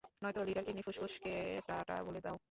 নয়তো, liver, kidney, ফুসফুস কে টা-টা বলে দাও।